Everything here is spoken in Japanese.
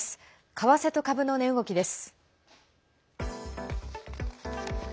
為替と株の値動きです。